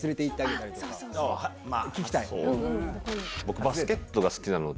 聞きたい。